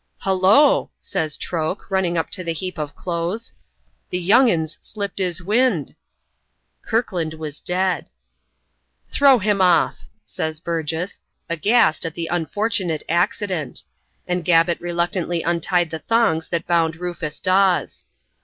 "Hullo!" says Troke, running to the heap of clothes, "the young 'un's slipped his wind!" Kirkland was dead. "Throw him off!" says Burgess, aghast at the unfortunate accident; and Gabbett reluctantly untied the thongs that bound Rufus Dawes.